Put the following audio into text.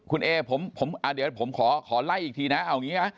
คุณเอผมผมอ่ะเดี๋ยวผมขอขอไล่อีกทีน่ะเอาอย่างงี้ฮะ